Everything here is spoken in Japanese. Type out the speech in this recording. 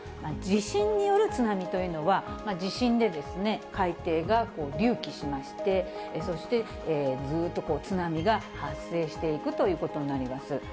地震による津波というのは、地震で海底が隆起しまして、そしてずっとこう、津波が発生していくということになります。